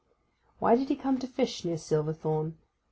Why did he come to fish near Silverthorn?